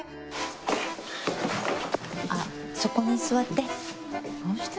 あっそこに座って。